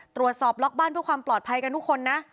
ล็อกบ้านเพื่อความปลอดภัยกันทุกคนนะ